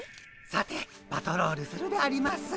さてパトロールするであります。